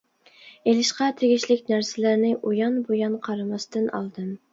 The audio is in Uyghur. ئېلىشقا تېگىشلىك نەرسىلەرنى ئۇيان-بۇيان قارىماستىن ئالدىم.